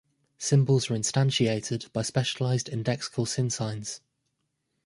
Symbols are instantiated by specialized indexical sinsigns.